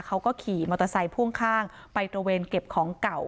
เขาก็ขี่มอเตอร์ไซค์พ่วงข้างไปตระเวนเก็บของเก่า